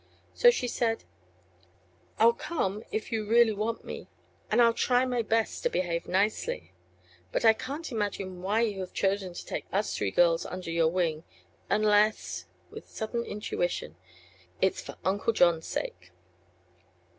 So she said: "I'll come, if you really want me; and I'll try my best to behave nicely. But I can't imagine why you have chosen to take us three girls under your wing; unless " with sudden intuition, "it's for Uncle John's sake."